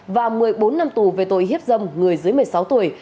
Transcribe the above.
và một mươi bốn năm tù về tội hiếp dâm người dưới một mươi sáu tuổi